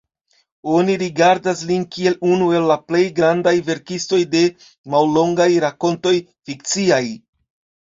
Oni rigardas lin kiel unu el la plej grandaj verkistoj de mallongaj rakontoj fikciaj.